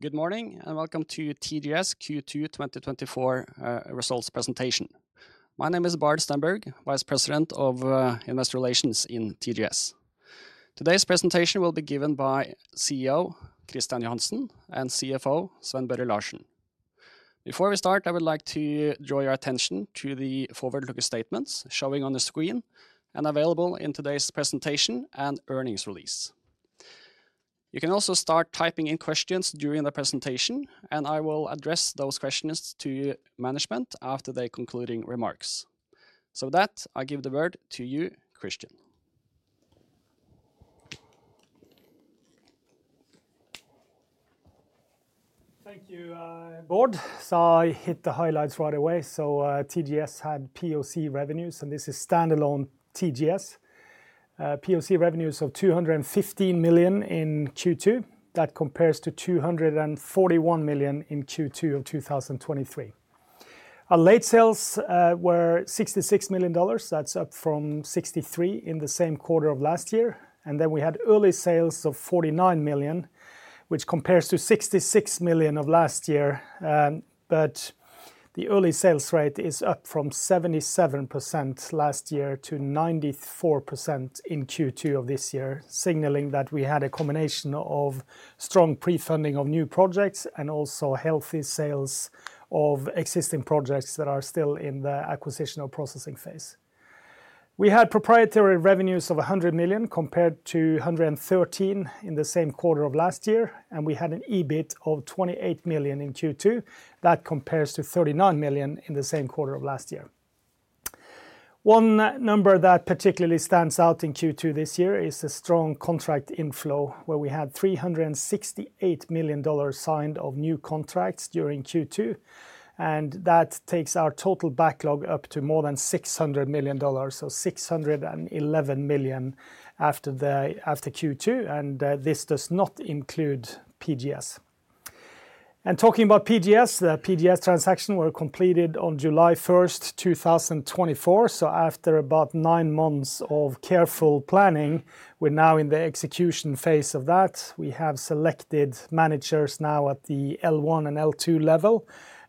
Good morning, and welcome to TGS Q2 2024 results presentation. My name is Bård Stenberg, Vice President of Investor Relations in TGS. Today's presentation will be given by CEO Kristian Johansen and CFO Sven Børre Larsen. Before we start, I would like to draw your attention to the forward-looking statements showing on the screen, and available in today's presentation and earnings release. You can also start typing in questions during the presentation, and I will address those questions to management after the concluding remarks. So with that, I give the word to you, Kristian. Thank you, Bård. So I hit the highlights right away. So, TGS had POC revenues, and this is standalone TGS. POC revenues of $215 million in Q2. That compares to $241 million in Q2 of 2023. Our late sales were $66 million. That's up from $63 million in the same quarter of last year. And then we had early sales of $49 million, which compares to $66 million of last year. But the early sales rate is up from 77% last year to 94% in Q2 of this year, signaling that we had a combination of strong pre-funding of new projects, and also healthy sales of existing projects that are still in the acquisition and processing phase. We had proprietary revenues of $100 million, compared to $113 million in the same quarter of last year, and we had an EBIT of $28 million in Q2. That compares to $39 million in the same quarter of last year. One number that particularly stands out in Q2 this year is a strong contract inflow, where we had $368 million signed of new contracts during Q2, and that takes our total backlog up to more than $600 million, so $611 million after Q2, and this does not include PGS. And talking about PGS, the PGS transaction were completed on July 1st, 2024, so after about nine months of careful planning, we're now in the execution phase of that. We have selected managers now at the L1 and L2 level,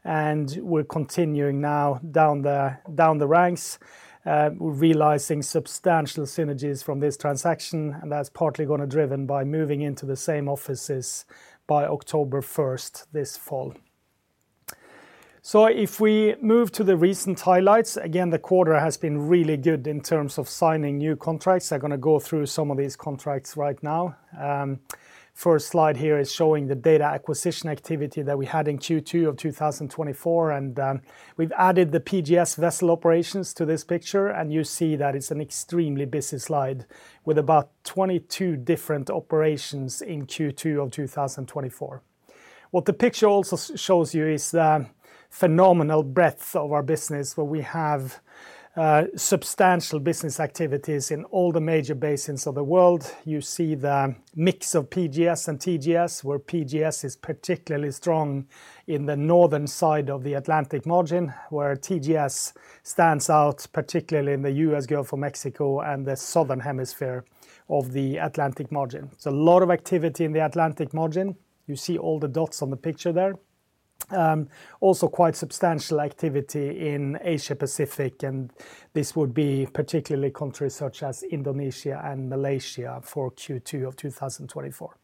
and we're continuing now down the ranks. We're realizing substantial synergies from this transaction, and that's partly gonna driven by moving into the same offices by October 1st, this fall. So if we move to the recent highlights, again, the quarter has been really good in terms of signing new contracts. I'm gonna go through some of these contracts right now. First slide here is showing the data acquisition activity that we had in Q2 of 2024, and we've added the PGS vessel operations to this picture, and you see that it's an extremely busy slide, with about 22 different operations in Q2 of 2024. What the picture also shows you is the phenomenal breadth of our business, where we have substantial business activities in all the major basins of the world. You see the mix of PGS and TGS, where PGS is particularly strong in the northern side of the Atlantic margin, where TGS stands out, particularly in the U.S. Gulf of Mexico and the southern hemisphere of the Atlantic margin. So a lot of activity in the Atlantic margin. You see all the dots on the picture there. Also quite substantial activity in Asia-Pacific, and this would be particularly countries such as Indonesia and Malaysia for Q2 of 2024.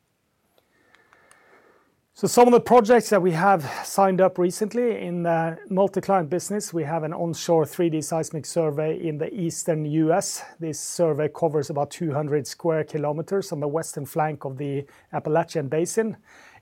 So some of the projects that we have signed up recently in the multi-client business, we have an onshore 3D seismic survey in the Eastern US. This survey covers about 200 square kilometers on the western flank of the Appalachian Basin.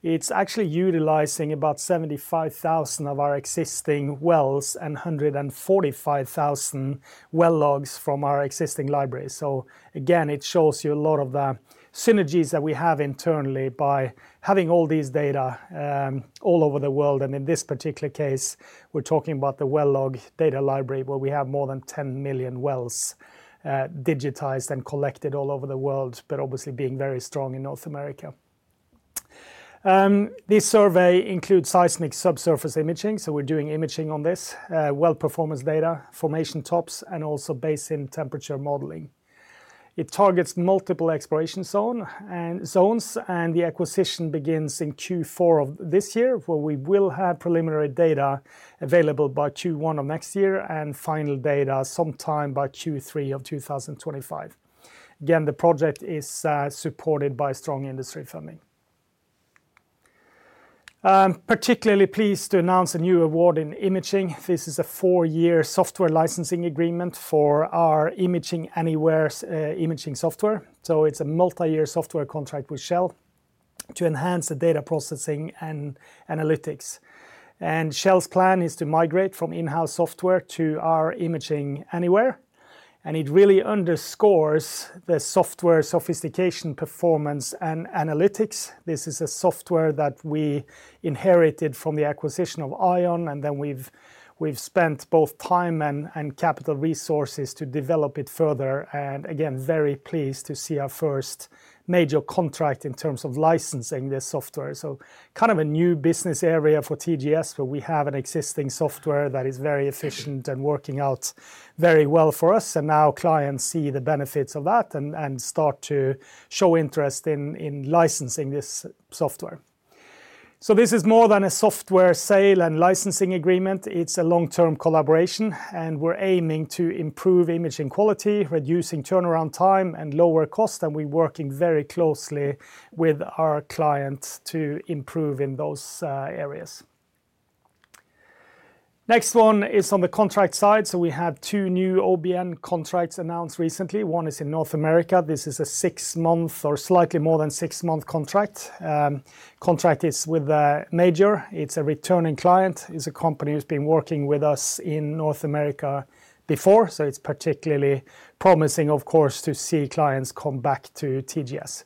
It's actually utilizing about 75,000 of our existing wells and 145,000 well logs from our existing library. So again, it shows you a lot of the synergies that we have internally by having all these data all over the world, and in this particular case, we're talking about the well log data library, where we have more than 10 million wells digitized and collected all over the world, but obviously being very strong in North America. This survey includes seismic subsurface imaging, so we're doing imaging on this well performance data, formation tops, and also basin temperature modeling. It targets multiple exploration zones, and the acquisition begins in Q4 of this year, where we will have preliminary data available by Q1 of next year, and final data sometime by Q3 of 2025. Again, the project is supported by strong industry funding. I'm particularly pleased to announce a new award in imaging. This is a 4-year software licensing agreement for our Imaging AnyWare, imaging software. So it's a multi-year software contract with Shell to enhance the data processing and analytics. And Shell's plan is to migrate from in-house software to our Imaging AnyWare, and it really underscores the software sophistication, performance, and analytics. This is a software that we inherited from the acquisition of ION, and then we've spent both time and capital resources to develop it further, and again, very pleased to see our first major contract in terms of licensing this software. So kind of a new business area for TGS, where we have an existing software that is very efficient and working out very well for us, and now clients see the benefits of that and start to show interest in licensing this software.... So this is more than a software sale and licensing agreement, it's a long-term collaboration, and we're aiming to improve imaging quality, reducing turnaround time, and lower cost, and we're working very closely with our clients to improve in those areas. Next one is on the contract side. So we have two new OBN contracts announced recently. One is in North America. This is a six-month or slightly more than six-month contract. Contract is with a major. It's a returning client. It's a company who's been working with us in North America before, so it's particularly promising, of course, to see clients come back to TGS.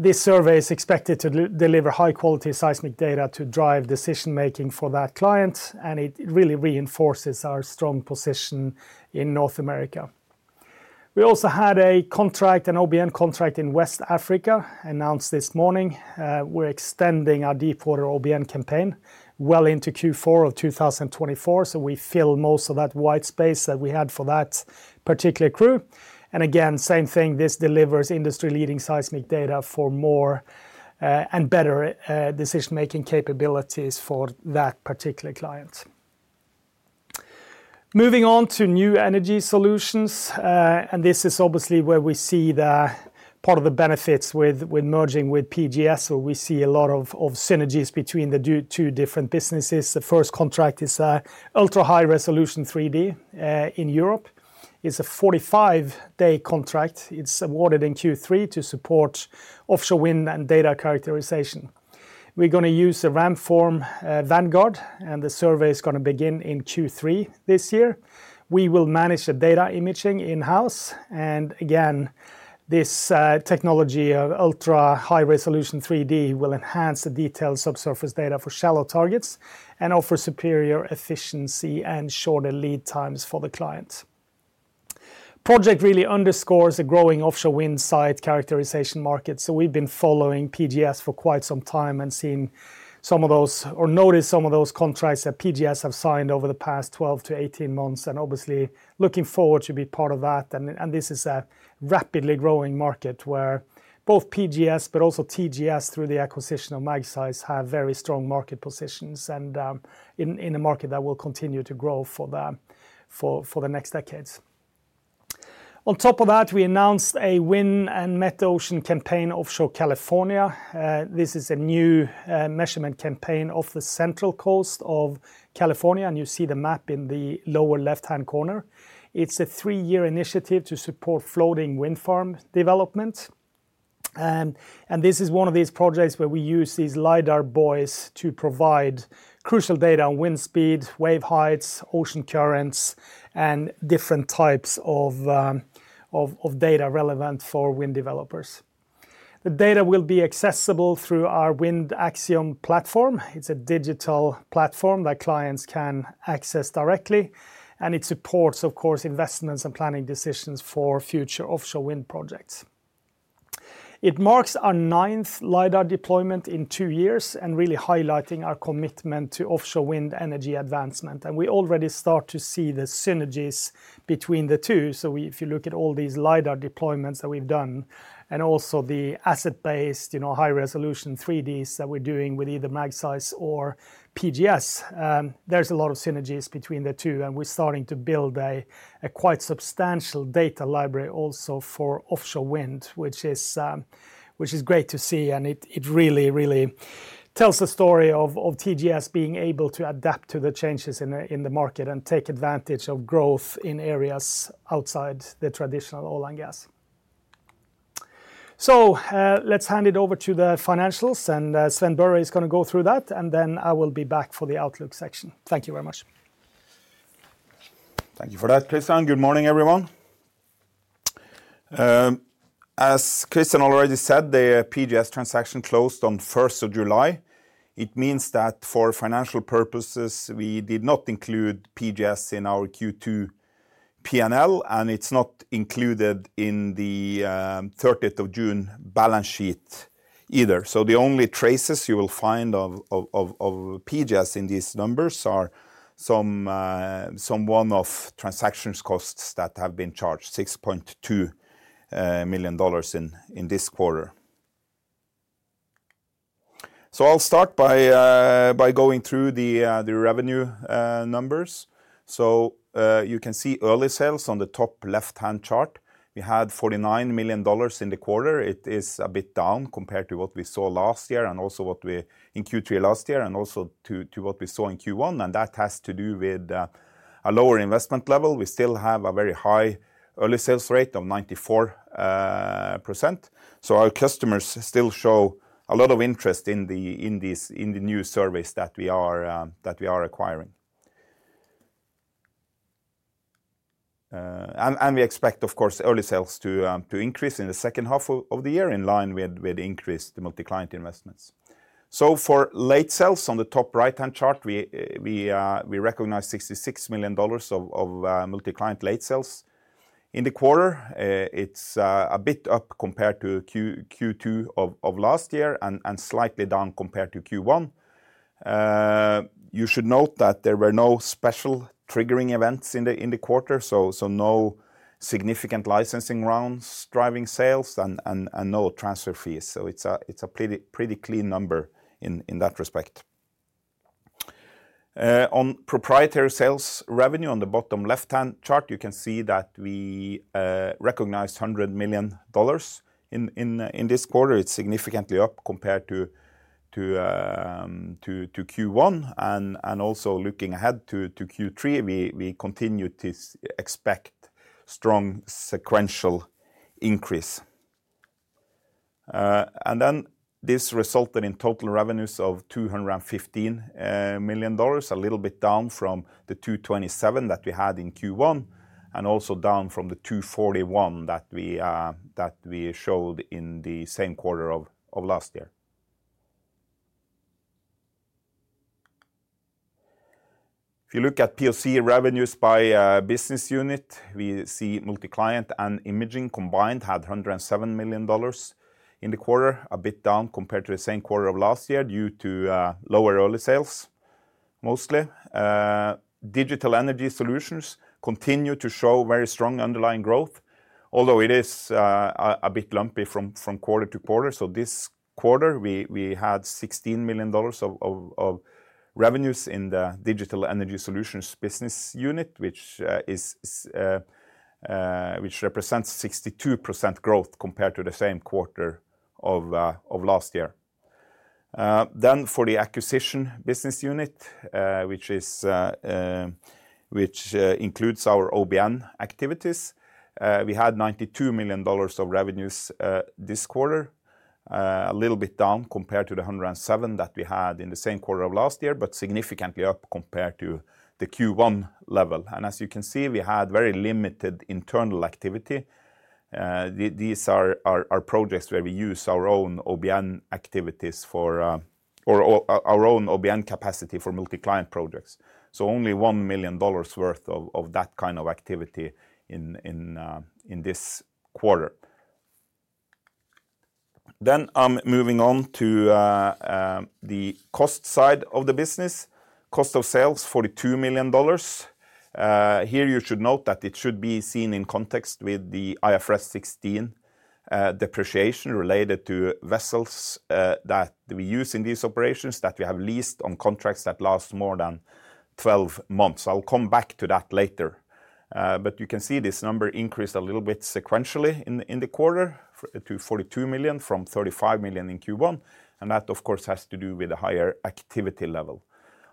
This survey is expected to deliver high-quality seismic data to drive decision-making for that client, and it really reinforces our strong position in North America. We also had a contract, an OBN contract in West Africa, announced this morning. We're extending our deepwater OBN campaign well into Q4 of 2024, so we fill most of that white space that we had for that particular crew. And again, same thing, this delivers industry-leading seismic data for more, and better, decision-making capabilities for that particular client. Moving on to new energy solutions, and this is obviously where we see the part of the benefits with, with merging with PGS, so we see a lot of, of synergies between the two different businesses. The first contract is a ultra-high resolution 3D in Europe. It's a 45-day contract. It's awarded in Q3 to support offshore wind and data characterization. We're gonna use the Ramform Vanguard, and the survey is gonna begin in Q3 this year. We will manage the data imaging in-house, and again, this technology of ultra-high resolution 3D will enhance the detailed subsurface data for shallow targets and offer superior efficiency and shorter lead times for the client. Project really underscores the growing offshore wind site characterization market, so we've been following PGS for quite some time and seen some of those or noticed some of those contracts that PGS have signed over the past 12-18 months, and obviously looking forward to be part of that. And this is a rapidly growing market where both PGS, but also TGS through the acquisition of Magseis, have very strong market positions and in a market that will continue to grow for the next decades. On top of that, we announced a wind and metocean campaign offshore California. This is a new measurement campaign off the central coast of California, and you see the map in the lower left-hand corner. It's a three-year initiative to support floating wind farm development, and this is one of these projects where we use these LiDAR buoys to provide crucial data on wind speed, wave heights, ocean currents, and different types of data relevant for wind developers. The data will be accessible through our Wind AXIOM platform. It's a digital platform that clients can access directly, and it supports, of course, investments and planning decisions for future offshore wind projects. It marks our ninth LiDAR deployment in two years and really highlighting our commitment to offshore wind energy advancement, and we already start to see the synergies between the two. So if you look at all these LiDAR deployments that we've done and also the asset-based, you know, high-resolution 3Ds that we're doing with either Magseis or PGS, there's a lot of synergies between the two, and we're starting to build a quite substantial data library also for offshore wind, which is great to see. And it really, really tells the story of TGS being able to adapt to the changes in the market and take advantage of growth in areas outside the traditional oil and gas. So, let's hand it over to the financials, and Sven Børre is gonna go through that, and then I will be back for the outlook section. Thank you very much. Thank you for that, Kristian. Good morning, everyone. As Kristian already said, the PGS transaction closed on first of July. It means that for financial purposes, we did not include PGS in our Q2 P&L, and it's not included in the thirtieth of June balance sheet either. So the only traces you will find of PGS in these numbers are some one-off transaction costs that have been charged $6.2 million in this quarter. So I'll start by going through the revenue numbers. So, you can see early sales on the top left-hand chart. We had $49 million in the quarter. It is a bit down compared to what we saw last year and also what we... In Q3 last year, and also to what we saw in Q1, and that has to do with a lower investment level. We still have a very high early sales rate of 94%. So our customers still show a lot of interest in the, in this, in the new service that we are acquiring. And we expect, of course, early sales to increase in the second half of the year, in line with increased multi-client investments. So for late sales on the top right-hand chart, we recognized $66 million of multi-client late sales. In the quarter, it's a bit up compared to Q2 of last year and slightly down compared to Q1. You should note that there were no special triggering events in the quarter, so no significant licensing rounds driving sales and no transfer fees. So it's a pretty clean number in that respect. On proprietary sales revenue, on the bottom left-hand chart, you can see that we recognized $100 million in this quarter. It's significantly up compared to Q1. Also looking ahead to Q3, we continue to expect strong sequential increase. And then this resulted in total revenues of $215 million, a little bit down from the $227 that we had in Q1, and also down from the $241 that we showed in the same quarter of last year. If you look at POC revenues by business unit, we see Multi-Client and Imaging combined had $107 million in the quarter, a bit down compared to the same quarter of last year, due to lower early sales, mostly. Digital Energy Solutions continue to show very strong underlying growth, although it is a bit lumpy from quarter to quarter. So this quarter, we had $16 million of revenues in the Digital Energy Solutions business unit, which represents 62% growth compared to the same quarter of last year. Then for the acquisition business unit, which includes our OBN activities, we had $92 million of revenues this quarter. A little bit down compared to the 107 that we had in the same quarter of last year, but significantly up compared to the Q1 level. And as you can see, we had very limited internal activity. These are our projects where we use our own OBN activities for or our own OBN capacity for Multi-Client projects. So only $1 million worth of that kind of activity in this quarter. Then I'm moving on to the cost side of the business. Cost of sales, $42 million. Here you should note that it should be seen in context with the IFRS 16 depreciation related to vessels that we use in these operations, that we have leased on contracts that last more than 12 months. I'll come back to that later. But you can see this number increased a little bit sequentially in the quarter to $42 million from $35 million in Q1, and that, of course, has to do with the higher activity level.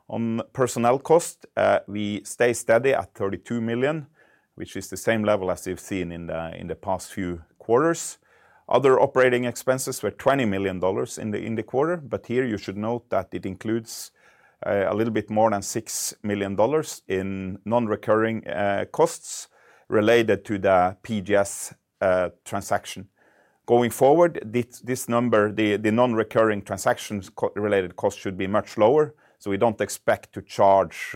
On personnel cost, we stay steady at $32 million, which is the same level as we've seen in the past few quarters. Other operating expenses were $20 million in the quarter, but here you should note that it includes a little bit more than $6 million in non-recurring costs related to the PGS transaction. Going forward, this number, the non-recurring transaction-related costs should be much lower, so we don't expect to charge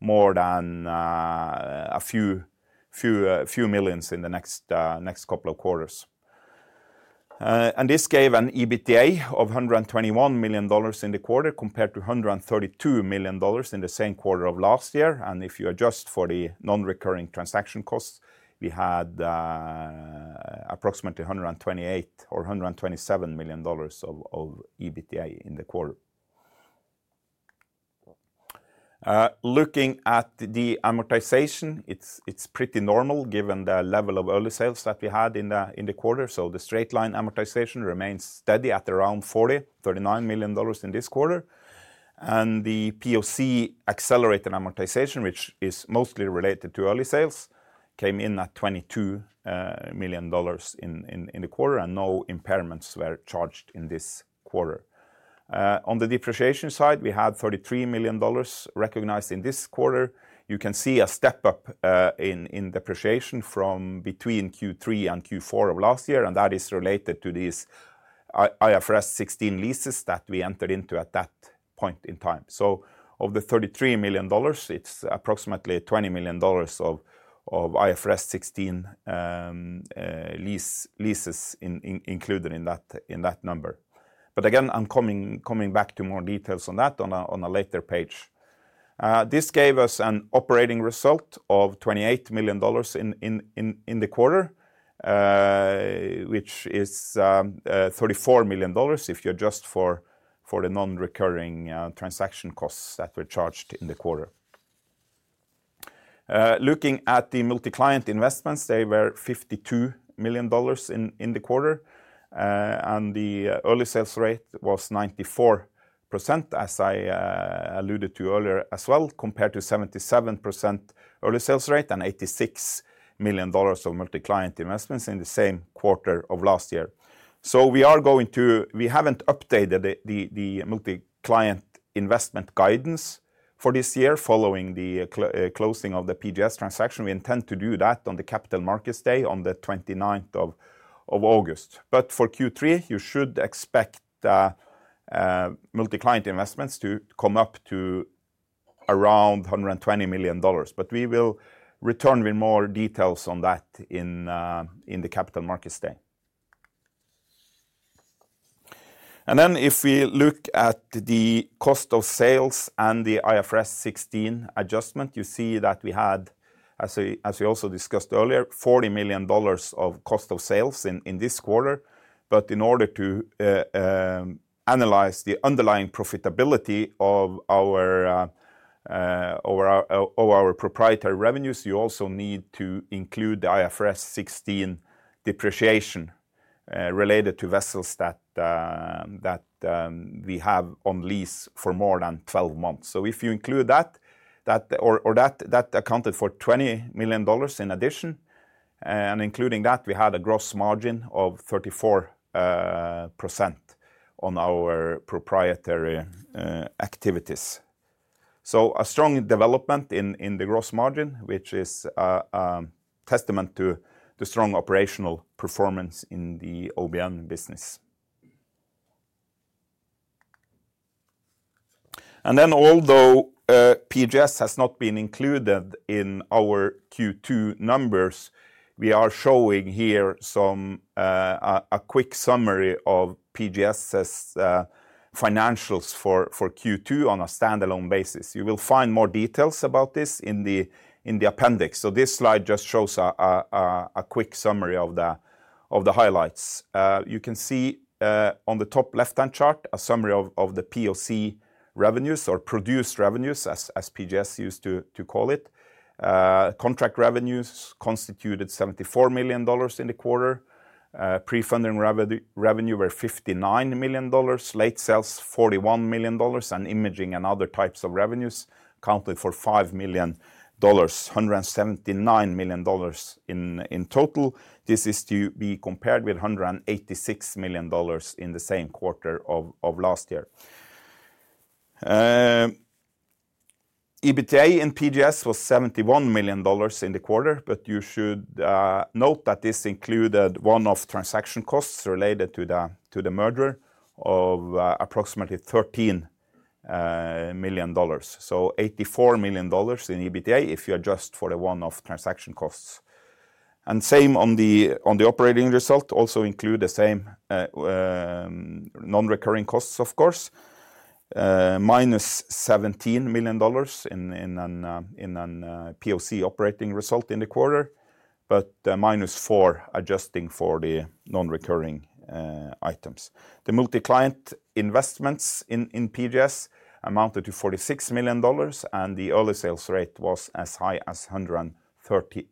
more than a few million in the next couple of quarters. And this gave an EBITDA of $121 million in the quarter, compared to $132 million in the same quarter of last year. And if you adjust for the non-recurring transaction costs, we had approximately $128 million or $127 million of EBITDA in the quarter. Looking at the amortization, it's pretty normal given the level of early sales that we had in the quarter. So the straight-line amortization remains steady at around $40 million, $39 million in this quarter. And the POC accelerated amortization, which is mostly related to early sales, came in at 22 million dollars in the quarter, and no impairments were charged in this quarter. On the depreciation side, we had $33 million recognized in this quarter. You can see a step-up in depreciation from between Q3 and Q4 of last year, and that is related to these IFRS 16 leases that we entered into at that point in time. So of the $33 million, it's approximately $20 million of IFRS 16 leases included in that number. But again, I'm coming back to more details on that on a later page. This gave us an operating result of $28 million in the quarter, which is $34 million if you adjust for the non-recurring transaction costs that were charged in the quarter. Looking at the Multi-Client investments, they were $52 million in the quarter. And the early sales rate was 94%, as I alluded to earlier as well, compared to 77% early sales rate and $86 million of Multi-Client investments in the same quarter of last year. We are going to... We haven't updated the Multi-Client investment guidance for this year, following the closing of the PGS transaction. We intend to do that on the Capital Markets Day on the 29th of August. But for Q3, you should expect Multi-Client investments to come up to around $120 million. But we will return with more details on that in the Capital Markets Day. Then if we look at the cost of sales and the IFRS 16 adjustment, you see that we had, as we also discussed earlier, $40 million of cost of sales in this quarter. But in order to analyze the underlying profitability of our proprietary revenues, you also need to include the IFRS 16 depreciation related to vessels that we have on lease for more than 12 months. So if you include that, that accounted for $20 million in addition, and including that, we had a gross margin of 34% on our proprietary activities. So a strong development in the gross margin, which is a testament to the strong operational performance in the OBN business. And then, although PGS has not been included in our Q2 numbers, we are showing here some quick summary of PGS's financials for Q2 on a stand-alone basis. You will find more details about this in the appendix. So this slide just shows a quick summary of the highlights. You can see on the top left-hand chart, a summary of the POC revenues or produced revenues as PGS used to call it. Contract revenues constituted $74 million in the quarter. Pre-funding revenue were $59 million, late sales, $41 million, and imaging and other types of revenues accounted for $5 million, $179 million in total. This is to be compared with $186 million in the same quarter of last year. EBITDA in PGS was $71 million in the quarter, but you should note that this included one-off transaction costs related to the merger of approximately $13 million. So $84 million in EBITDA, if you adjust for the one-off transaction costs. And same on the operating result, also include the same non-recurring costs, of course, minus $17 million in a POC operating result in the quarter, but minus four, adjusting for the non-recurring items. The multi-client investments in PGS amounted to $46 million, and the early sales rate was as high as 30%.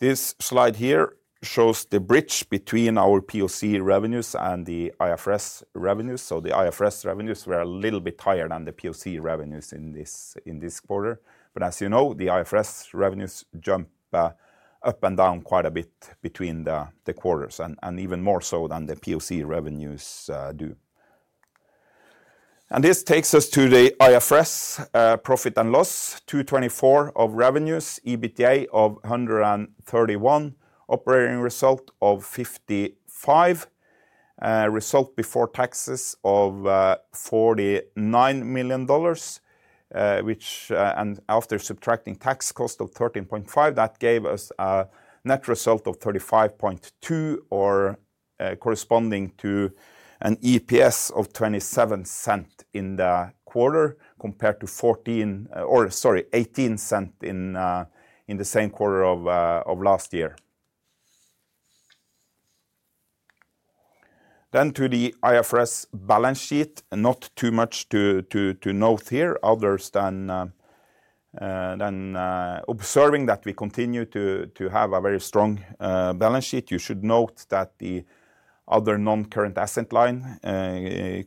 This slide here shows the bridge between our POC revenues and the IFRS revenues. So the IFRS revenues were a little bit higher than the POC revenues in this quarter. But as you know, the IFRS revenues jump up and down quite a bit between the quarters, and even more so than the POC revenues do. This takes us to the IFRS profit and loss, revenues of $224 million, EBITDA of $131 million, operating result of $55 million, result before taxes of $49 million, which, and after subtracting tax cost of $13.5 million, that gave us a net result of $35.2 million, or corresponding to an EPS of $0.27 in the quarter, compared to 14, or sorry, 18 cents in the same quarter of last year. To the IFRS balance sheet, not too much to note here, other than observing that we continue to have a very strong balance sheet. You should note that the other non-current asset line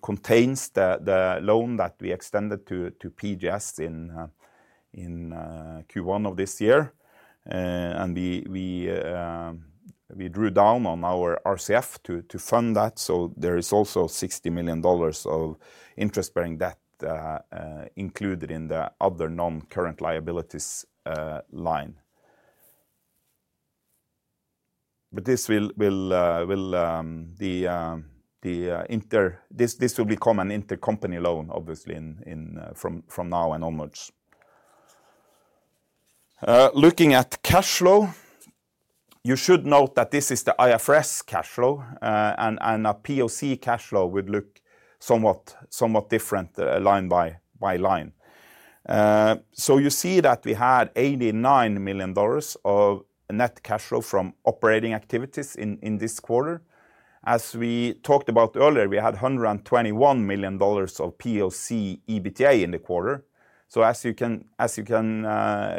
contains the loan that we extended to PGS in Q1 of this year. And we drew down on our RCF to fund that, so there is also $60 million of interest-bearing debt included in the other non-current liabilities line. But this will become an intercompany loan, obviously, from now and onwards. Looking at cash flow, you should note that this is the IFRS cash flow, and a POC cash flow would look somewhat different, line by line. So you see that we had $89 million of net cash flow from operating activities in this quarter. As we talked about earlier, we had $121 million of POC EBITDA in the quarter. So as you can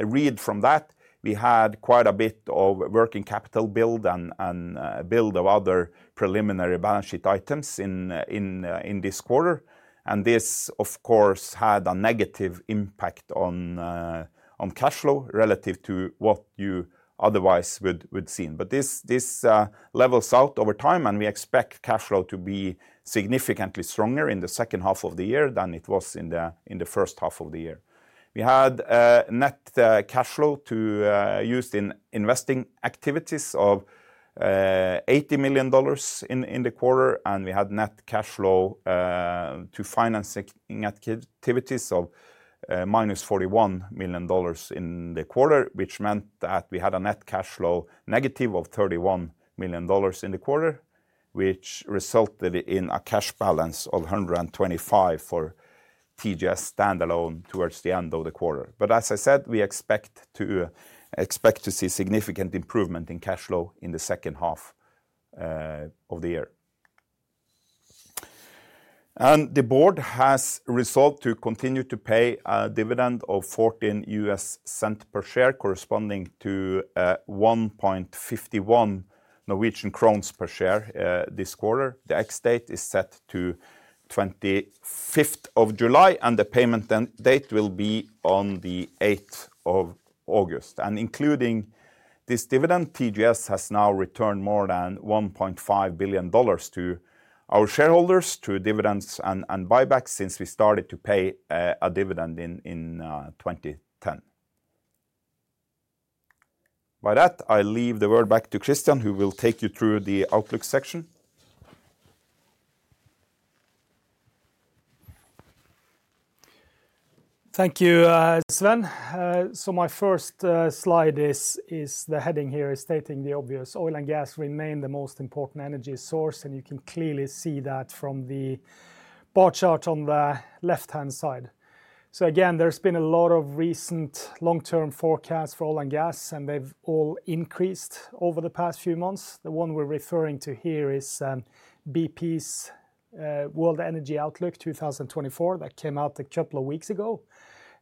read from that, we had quite a bit of working capital build and build of other preliminary balance sheet items in this quarter. And this, of course, had a negative impact on cash flow relative to what you otherwise would have seen. But this levels out over time, and we expect cash flow to be significantly stronger in the second half of the year than it was in the first half of the year. We had net cash flow to use in investing activities of $80 million in the quarter, and we had net cash flow to financing activities of -$41 million in the quarter, which meant that we had a net cash flow negative of $31 million in the quarter, which resulted in a cash balance of $125 million for TGS standalone towards the end of the quarter. But as I said, we expect to see significant improvement in cash flow in the second half of the year. The board has resolved to continue to pay a dividend of $0.14 per share, corresponding to 1.51 Norwegian crowns per share, this quarter. The ex-date is set to 25th of July, and the payment date will be on the 8th of August. And including this dividend, TGS has now returned more than $1.5 billion to our shareholders, through dividends and, and buybacks since we started to pay a dividend in, in, 2010. By that, I leave the word back to Kristian, who will take you through the outlook section. Thank you, Sven. So my first slide is, the heading here is stating the obvious, "Oil and gas remain the most important energy source," and you can clearly see that from the bar chart on the left-hand side. So again, there's been a lot of recent long-term forecasts for oil and gas, and they've all increased over the past few months. The one we're referring to here is BP's World Energy Outlook 2024. That came out a couple of weeks ago,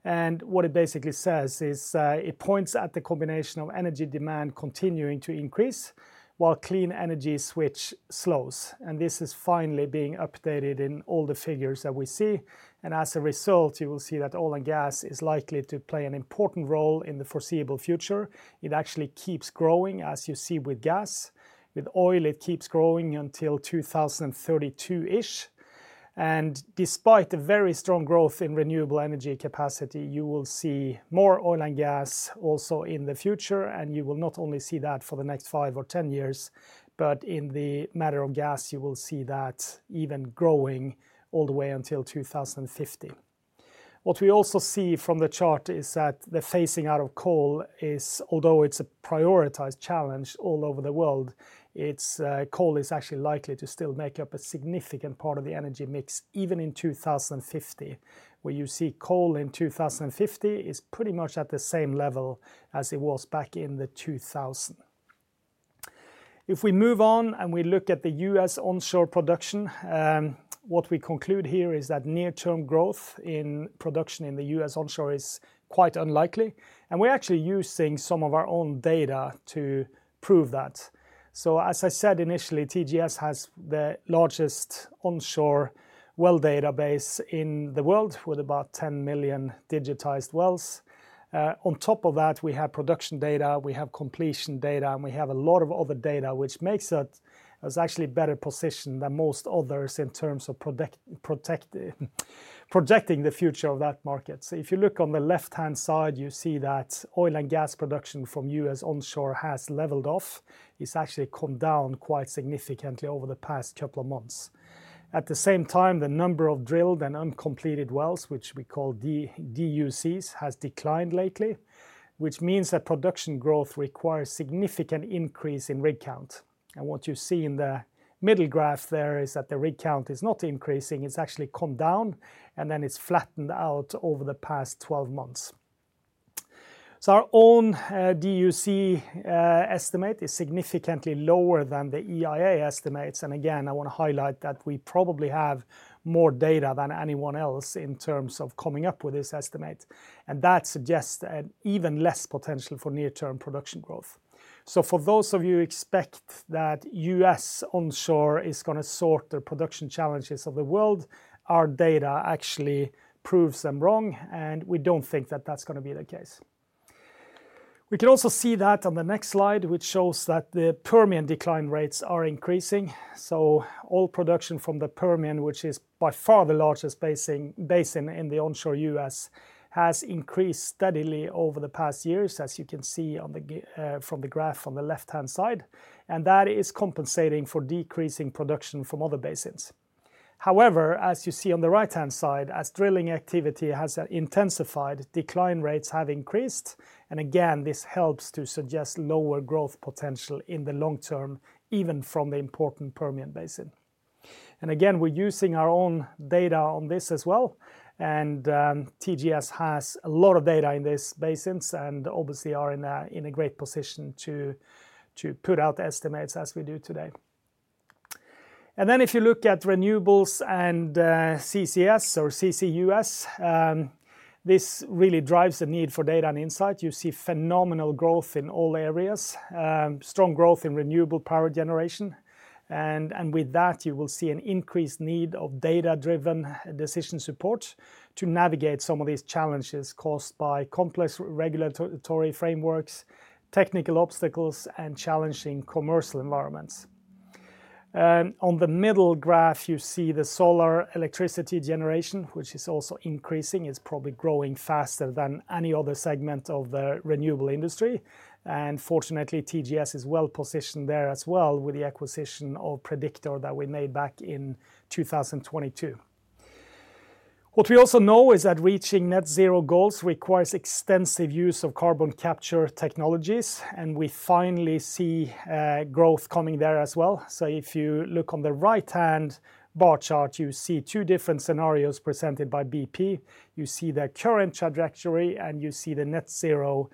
and what it basically says is it points at the combination of energy demand continuing to increase, while clean energy switch slows. And this is finally being updated in all the figures that we see, and as a result, you will see that oil and gas is likely to play an important role in the foreseeable future. It actually keeps growing, as you see with gas. With oil, it keeps growing until 2032-ish, and despite the very strong growth in renewable energy capacity, you will see more oil and gas also in the future. And you will not only see that for the next five or 10 years, but in the matter of gas, you will see that even growing all the way until 2050. What we also see from the chart is that the phasing out of coal is, although it's a prioritized challenge all over the world, it's, coal is actually likely to still make up a significant part of the energy mix, even in 2050. Where you see coal in 2050 is pretty much at the same level as it was back in the 2000. If we move on and we look at the U.S. onshore production, what we conclude here is that near-term growth in production in the U.S. onshore is quite unlikely, and we're actually using some of our own data to prove that. So, as I said initially, TGS has the largest onshore well database in the world, with about 10 million digitized wells. On top of that, we have production data, we have completion data, and we have a lot of other data, which makes us actually better positioned than most others in terms of projecting the future of that market. So if you look on the left-hand side, you see that oil and gas production from U.S. onshore has leveled off. It's actually come down quite significantly over the past couple of months. At the same time, the number of drilled and uncompleted wells, which we call DUCs, has declined lately, which means that production growth requires significant increase in rig count. What you see in the middle graph there is that the rig count is not increasing. It's actually come down, and then it's flattened out over the past 12 months. So our own DUC estimate is significantly lower than the EIA estimates. And again, I want to highlight that we probably have more data than anyone else in terms of coming up with this estimate, and that suggests an even less potential for near-term production growth. So for those of you who expect that U.S. onshore is gonna sort the production challenges of the world, our data actually proves them wrong, and we don't think that that's gonna be the case. We can also see that on the next slide, which shows that the Permian decline rates are increasing. So oil production from the Permian, which is by far the largest basin in the onshore U.S., has increased steadily over the past years, as you can see on the graph on the left-hand side, and that is compensating for decreasing production from other basins. However, as you see on the right-hand side, as drilling activity has intensified, decline rates have increased, and again, this helps to suggest lower growth potential in the long term, even from the important Permian Basin. And again, we're using our own data on this as well, and TGS has a lot of data in these basins and obviously are in a great position to put out estimates as we do today. And then, if you look at renewables and CCS or CCUS, this really drives the need for data and insight. You see phenomenal growth in all areas, strong growth in renewable power generation, and with that, you will see an increased need of data-driven decision support to navigate some of these challenges caused by complex regulatory frameworks, technical obstacles, and challenging commercial environments. On the middle graph, you see the solar electricity generation, which is also increasing. It's probably growing faster than any other segment of the renewable industry, and fortunately, TGS is well-positioned there as well with the acquisition of Prediktor that we made back in 2022. What we also know is that reaching net zero goals requires extensive use of carbon capture technologies, and we finally see growth coming there as well. So if you look on the right-hand bar chart, you see two different scenarios presented by BP. You see their current trajectory, and you see the net zero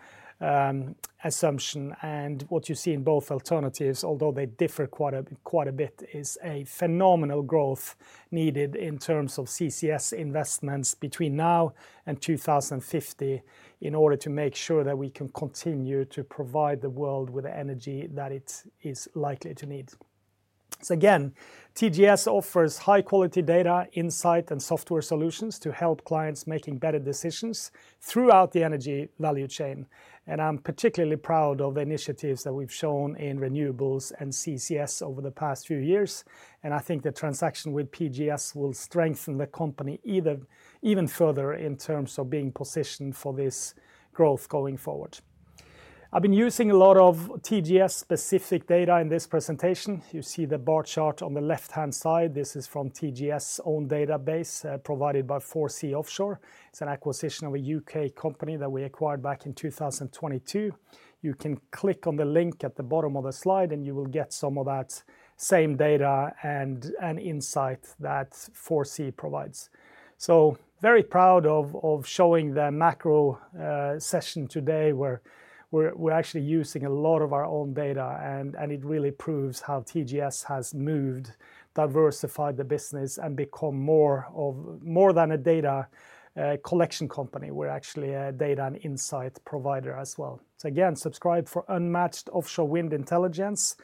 assumption. And what you see in both alternatives, although they differ quite a bit, is a phenomenal growth needed in terms of CCS investments between now and 2050, in order to make sure that we can continue to provide the world with the energy that it is likely to need. So again, TGS offers high-quality data, insight, and software solutions to help clients making better decisions throughout the energy value chain. And I'm particularly proud of the initiatives that we've shown in renewables and CCS over the past few years, and I think the transaction with PGS will strengthen the company even further in terms of being positioned for this growth going forward. I've been using a lot of TGS-specific data in this presentation. You see the bar chart on the left-hand side. This is from TGS' own database, provided by 4C Offshore. It's an acquisition of a UK company that we acquired back in 2022. You can click on the link at the bottom of the slide, and you will get some of that same data and insight that 4C provides. So very proud of showing the macro session today, where we're actually using a lot of our own data, and it really proves how TGS has moved, diversified the business, and become more than a data collection company. We're actually a data and insight provider as well. So again, subscribe for unmatched offshore wind intelligence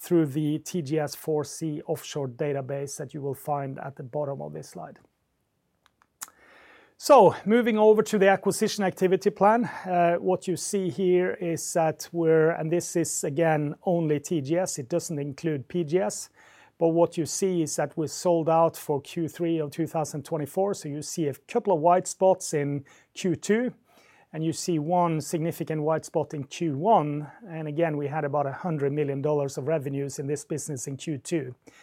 through the TGS 4C Offshore database that you will find at the bottom of this slide. So moving over to the acquisition activity plan. This is, again, only TGS. It doesn't include PGS. But what you see is that we're sold out for Q3 of 2024. So you see a couple of white spots in Q2, and you see one significant white spot in Q1. Again, we had about $100 million of revenues in this business in Q2. As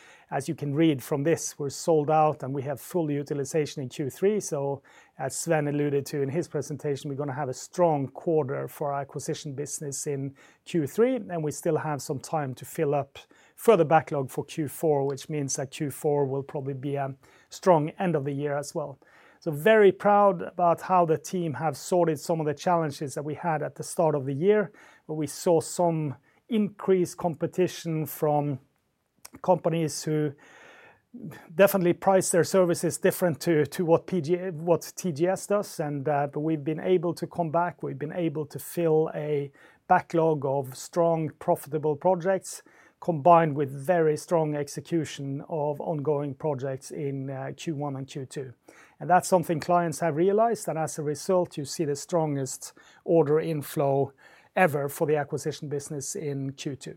you can read from this, we're sold out, and we have full utilization in Q3. So as Sven alluded to in his presentation, we're gonna have a strong quarter for our acquisition business in Q3, and we still have some time to fill up further backlog for Q4, which means that Q4 will probably be a strong end of the year as well. So very proud about how the team have sorted some of the challenges that we had at the start of the year, where we saw some increased competition from companies who definitely price their services different to what PGS- what TGS does. And, but we've been able to come back. We've been able to fill a backlog of strong, profitable projects, combined with very strong execution of ongoing projects in Q1 and Q2. And that's something clients have realized that, as a result, you see the strongest order inflow ever for the acquisition business in Q2.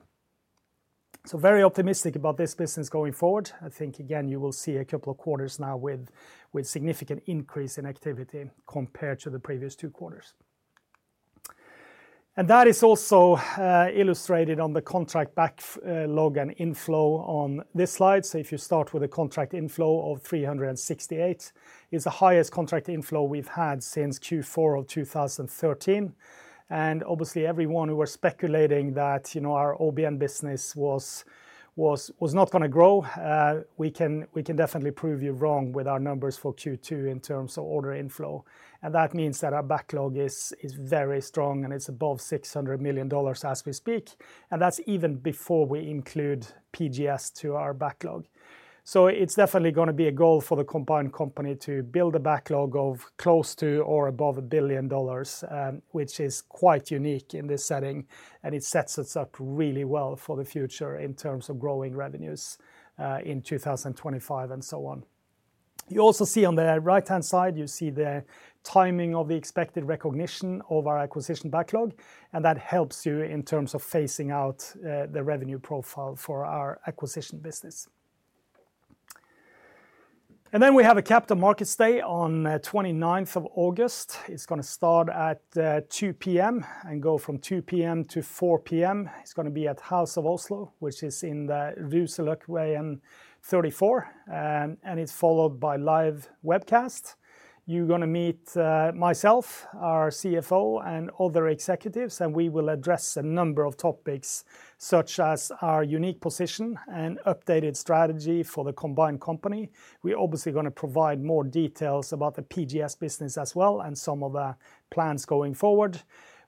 So very optimistic about this business going forward. I think, again, you will see a couple of quarters now with significant increase in activity compared to the previous two quarters. And that is also illustrated on the contract backlog and inflow on this slide. So if you start with a contract inflow of $368 million, it's the highest contract inflow we've had since Q4 of 2013. And obviously, everyone who was speculating that, you know, our OBN business was not gonna grow, we can definitely prove you wrong with our numbers for Q2 in terms of order inflow. And that means that our backlog is very strong, and it's above $600 million as we speak, and that's even before we include PGS to our backlog. So it's definitely gonna be a goal for the combined company to build a backlog of close to or above $1 billion, which is quite unique in this setting, and it sets us up really well for the future in terms of growing revenues in 2025, and so on. You also see on the right-hand side, you see the timing of the expected recognition of our acquisition backlog, and that helps you in terms of phasing out, the revenue profile for our acquisition business. And then we have a Capital Markets Day on 29th of August. It's gonna start at 2:00 P.M. and go from 2:00 P.M. to 4:00 P.M. It's gonna be at House of Oslo, which is in the Ruseløkkveien 34. It's followed by live webcast. You're gonna meet myself, our CFO, and other executives, and we will address a number of topics, such as our unique position and updated strategy for the combined company. We're obviously gonna provide more details about the PGS business as well, and some of the plans going forward.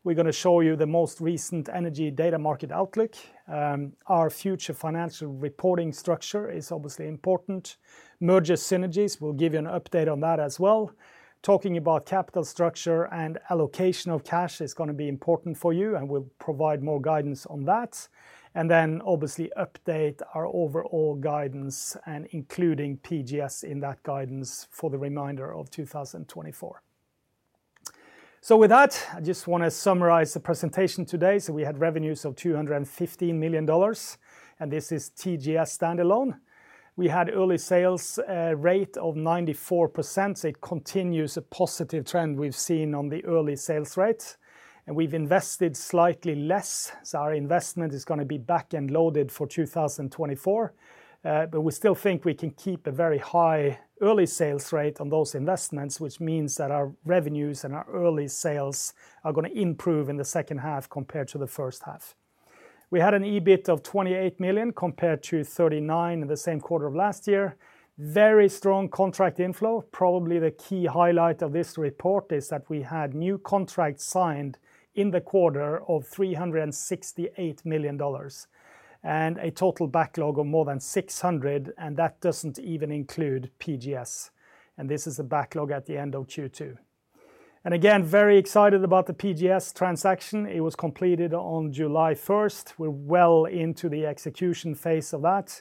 We're gonna show you the most recent energy data market outlook. Our future financial reporting structure is obviously important. Merger synergies, we'll give you an update on that as well. Talking about capital structure and allocation of cash is gonna be important for you, and we'll provide more guidance on that. And then obviously, update our overall guidance, and including PGS in that guidance for the remainder of 2024. So with that, I just wanna summarize the presentation today. So we had revenues of $215 million, and this is TGS standalone. We had early sales rate of 94%, so it continues a positive trend we've seen on the early sales rate. And we've invested slightly less, so our investment is gonna be back-end loaded for 2024. But we still think we can keep a very high early sales rate on those investments, which means that our revenues and our early sales are gonna improve in the second half compared to the first half. We had an EBIT of $28 million compared to $39 million in the same quarter of last year. Very strong contract inflow. Probably the key highlight of this report is that we had new contracts signed in the quarter of $368 million, and a total backlog of more than $600 million, and that doesn't even include PGS. This is a backlog at the end of Q2. And again, very excited about the PGS transaction. It was completed on July 1st. We're well into the execution phase of that,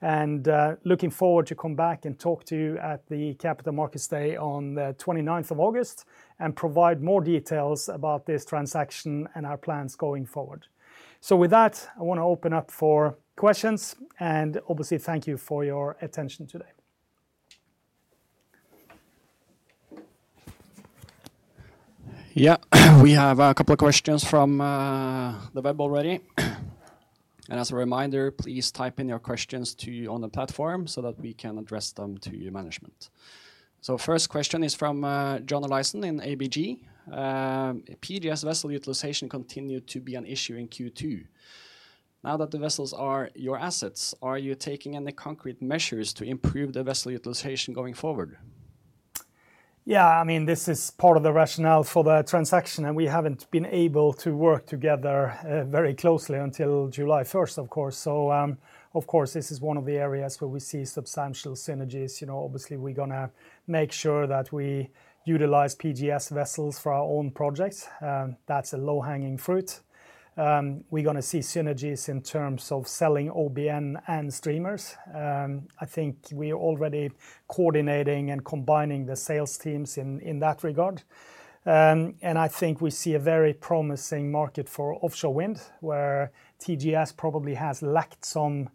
and, looking forward to come back and talk to you at the Capital Markets Day on the 29th of August, and provide more details about this transaction and our plans going forward. So with that, I want to open up for questions, and obviously, thank you for your attention today. Yeah, we have a couple of questions from the web already. And as a reminder, please type in your questions on the platform so that we can address them to management. So first question is from John Olaisen in ABG. "PGS vessel utilization continued to be an issue in Q2. Now that the vessels are your assets, are you taking any concrete measures to improve the vessel utilization going forward? Yeah, I mean, this is part of the rationale for the transaction, and we haven't been able to work together very closely until July 1st, of course. So, of course, this is one of the areas where we see substantial synergies. You know, obviously, we're gonna make sure that we utilize PGS vessels for our own projects. That's a low-hanging fruit. We're gonna see synergies in terms of selling OBN and streamers. I think we are already coordinating and combining the sales teams in that regard. And I think we see a very promising market for offshore wind, where TGS probably has lacked some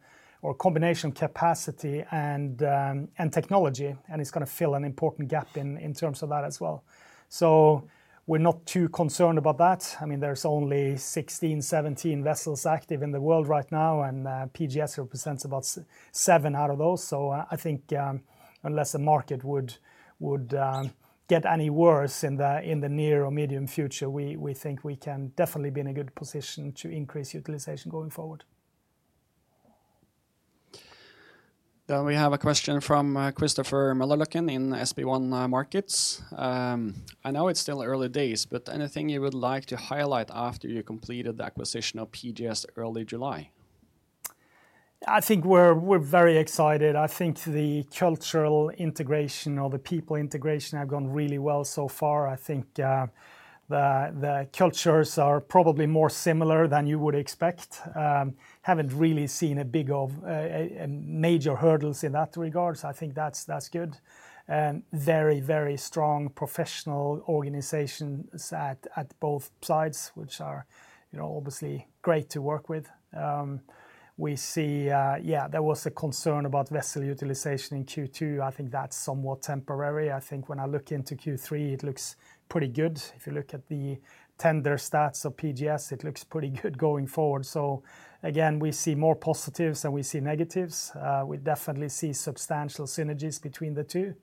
or combination capacity and technology, and it's gonna fill an important gap in terms of that as well. So we're not too concerned about that. I mean, there's only 16, 17 vessels active in the world right now, and PGS represents about seven out of those. So I think, unless the market would get any worse in the near or medium future, we think we can definitely be in a good position to increase utilization going forward. Then we have a question from Christopher Møllerløkken in SP1 Markets. I know it's still early days, but anything you would like to highlight after you completed the acquisition of PGS early July? I think we're very excited. I think the cultural integration or the people integration have gone really well so far. I think the cultures are probably more similar than you would expect. Haven't really seen a lot of major hurdles in that regard, so I think that's good. Very, very strong professional organizations that are at both sides, which, you know, obviously great to work with. Yeah, there was a concern about vessel utilization in Q2. I think that's somewhat temporary. I think when I look into Q3, it looks pretty good. If you look at the tender stats of PGS, it looks pretty good going forward. So again, we see more positives than we see negatives. We definitely see substantial synergies between the two,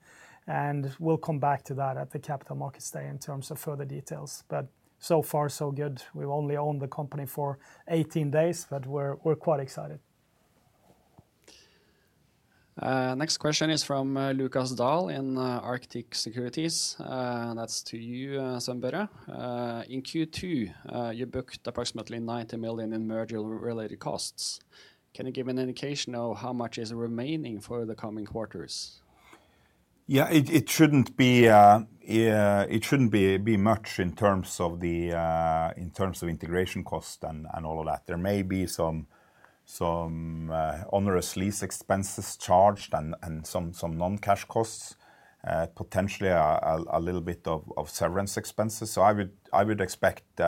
and we'll come back to that at the Capital Markets Day in terms of further details. But so far, so good. We've only owned the company for 18 days, but we're quite excited. Next question is from Lukas Daul in Arctic Securities. And that's to you, Sven Børre Larsen. In Q2, you booked approximately $90 million in merger-related costs. Can you give an indication of how much is remaining for the coming quarters? Yeah, it shouldn't be much in terms of the integration cost and all of that. There may be some onerous lease expenses charged and some non-cash costs, potentially a little bit of severance expenses. So I would expect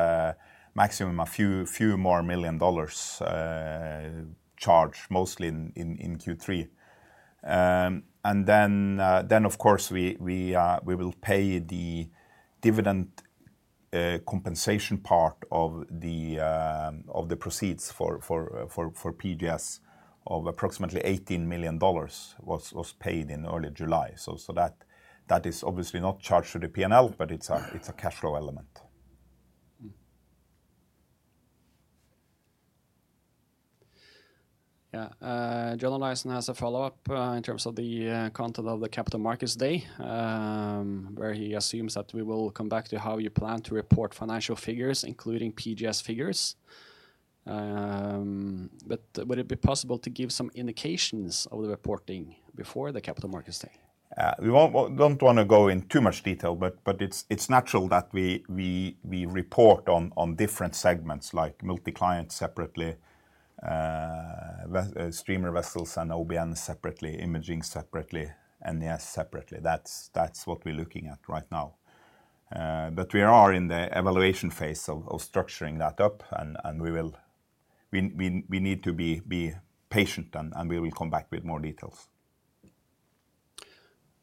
maximum a few more million dollars charge, mostly in Q3. And then of course, we will pay the dividend, compensation part of the proceeds for PGS of approximately $18 million was paid in early July. So that is obviously not charged to the P&L, but it's a cash flow element. Mm-hmm. Yeah, John Olaisen has a follow-up in terms of the content of the Capital Markets Day, where he assumes that we will come back to how you plan to report financial figures, including PGS figures. But would it be possible to give some indications of the reporting before the Capital Markets Day? We won't, we don't wanna go in too much detail, but it's natural that we report on different segments, like multi-client separately, streamer vessels and OBN separately, imaging separately, and, yes, separately. That's what we're looking at right now. But we are in the evaluation phase of structuring that up, and we will, we need to be patient, and we will come back with more details.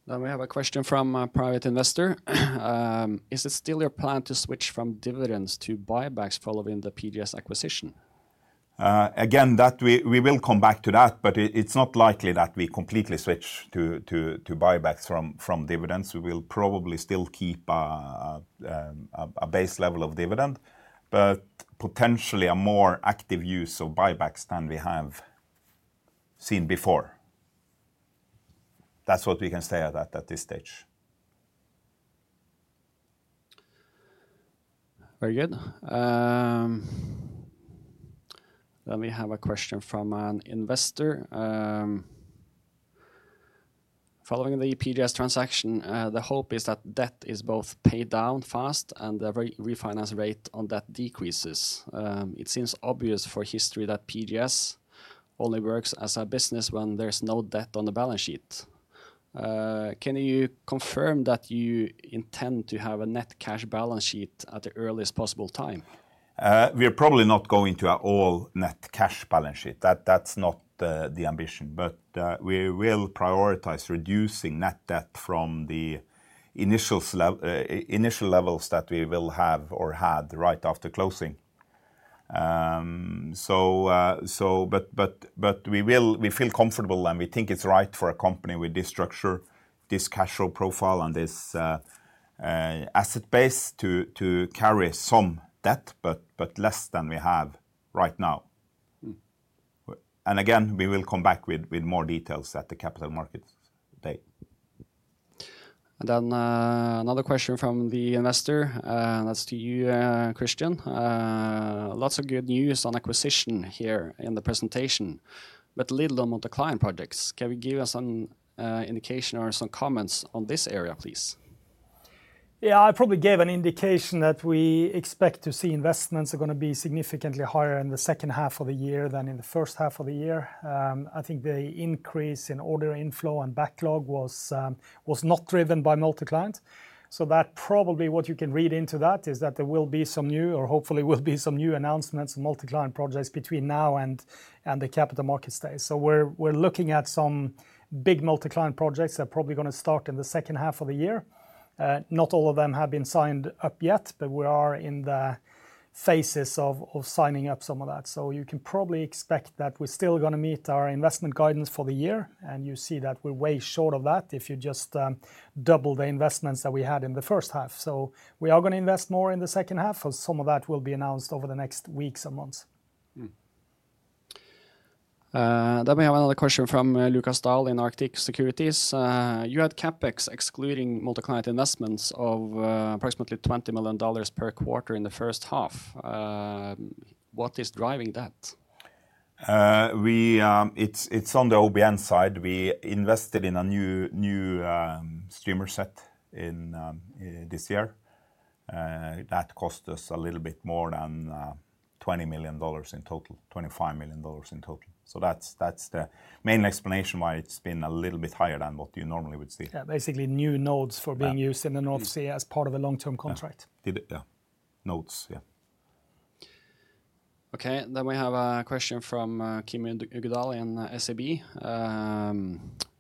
Then we have a question from a private investor. Is it still your plan to switch from dividends to buybacks following the PGS acquisition? Again, that we will come back to that, but it's not likely that we completely switch to buybacks from dividends. We will probably still keep a base level of dividend, but potentially a more active use of buybacks than we have seen before. That's what we can say at this stage. Very good. Then we have a question from an investor. Following the PGS transaction, the hope is that debt is both paid down fast and the refinance rate on that decreases. It seems obvious from history that PGS only works as a business when there's no debt on the balance sheet. Can you confirm that you intend to have a net cash balance sheet at the earliest possible time? We are probably not going to an all net cash balance sheet, that's not the ambition. But we will prioritize reducing net debt from the initial levels that we will have or had right after closing. But we feel comfortable, and we think it's right for a company with this structure, this capital profile, and this asset base to carry some debt, but less than we have right now. Mm. Again, we will come back with more details at the Capital Markets Day. And then, another question from the investor, that's to you, Kristian. Lots of good news on acquisition here in the presentation, but little on Multi-Client projects. Can you give us some indication or some comments on this area, please? Yeah, I probably gave an indication that we expect to see investments are gonna be significantly higher in the second half of the year than in the first half of the year. I think the increase in order inflow and backlog was not driven by Multi-Client. So that probably what you can read into that, is that there will be some new, or hopefully will be some new announcements in Multi-Client projects between now and the Capital Markets Day. So we're looking at some big Multi-Client projects that are probably gonna start in the second half of the year. Not all of them have been signed up yet, but we are in the phases of signing up some of that. So you can probably expect that we're still gonna meet our investment guidance for the year, and you see that we're way short of that if you just double the investments that we had in the first half. So we are gonna invest more in the second half, and some of that will be announced over the next weeks and months. Then we have another question from Lukas Daul in Arctic Securities. You had CapEx excluding multi-client investments of approximately $20 million per quarter in the first half. What is driving that? It's on the OBN side. We invested in a new streamer set this year. That cost us a little bit more than $20 million in total, $25 million in total. So that's the main explanation why it's been a little bit higher than what you normally would see. Yeah, basically new nodes for being- Yeah... used in the North Sea as part of a long-term contract. Yeah. Did it, yeah. Nodes, yeah. Okay, then we have a question from Kim Uggedal in SEB.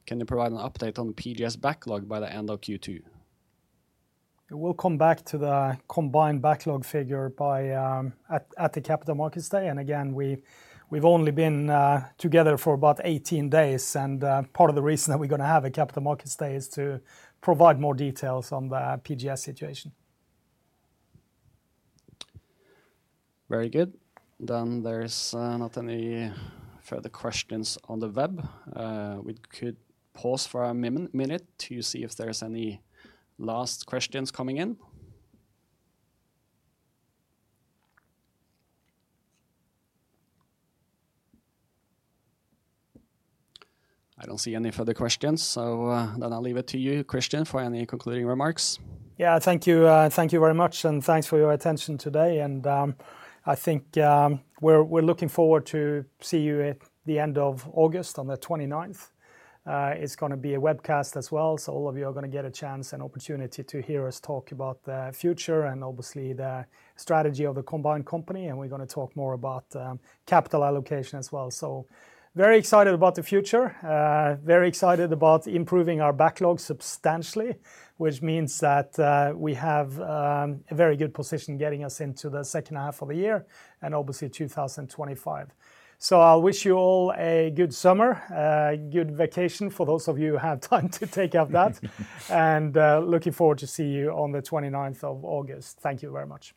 Can you provide an update on the PGS backlog by the end of Q2? We'll come back to the combined backlog figure by at the Capital Markets Day. And again, we've only been together for about 18 days, and part of the reason that we're gonna have a Capital Markets Day is to provide more details on the PGS situation. Very good. Then there's not any further questions on the web. We could pause for a minute to see if there's any last questions coming in. I don't see any further questions, so then I'll leave it to you, Kristian, for any concluding remarks. Yeah, thank you. Thank you very much, and thanks for your attention today. And, I think, we're looking forward to see you at the end of August, on the 29th. It's gonna be a webcast as well, so all of you are gonna get a chance and opportunity to hear us talk about the future, and obviously the strategy of the combined company, and we're gonna talk more about capital allocation as well. So very excited about the future. Very excited about improving our backlog substantially, which means that we have a very good position getting us into the second half of the year and obviously 2025. So I'll wish you all a good summer, good vacation for those of you who have time to take up that. Looking forward to see you on the 29th of August. Thank you very much.